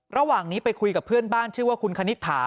ระหว่างนี้ไปคุยกับเพื่อนบ้านชื่อว่าคุณคณิตถา